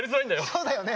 そうだよね。